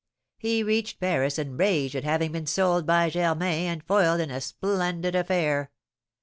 He reached Paris enraged at having been sold by Germain, and foiled in a splendid affair.